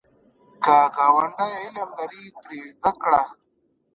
که ګاونډی علم لري، ترې زده کړه